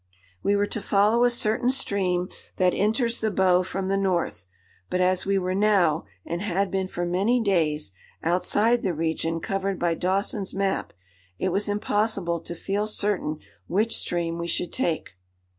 We were to follow a certain stream that enters the Bow from the north, but as we were now, and had been for many days, outside the region covered by Dawson's map, it was impossible to feel certain which stream we should take.